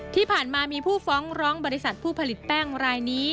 ที่ผ่านมามีผู้ฟ้องร้องบริษัทผู้ผลิตแป้งรายนี้